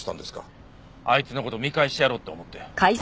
あいつの事見返してやろうって思って。